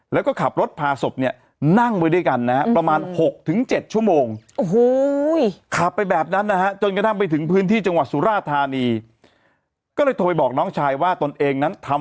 แล้วก็ขับรถพาศพเนี่ยนั่งไว้ด้วยกันนะฮะประมาณ๖๗ชั่วโมง